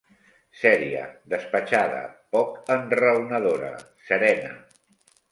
Seria, despatxada, poc enraonadora, serena